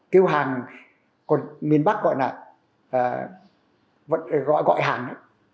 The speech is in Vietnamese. kêu hàng còn miền bắc gọi là gọi hàng